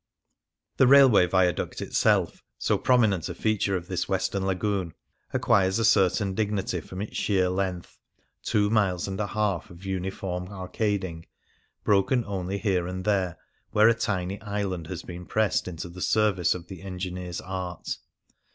The railway viaduct itself, so prominent a feature of this western lagoon, acquires a certain dignity from its sheer length ; two miles and a half of uniform arcading, broken only here and there where a tiny island has been pressed into the service of the engineer's art.